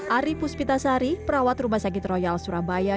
ari puspitasari perawat rumah sakit royal surabaya